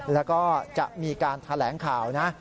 แล้วก็จะมีการแถลงข่าวนะ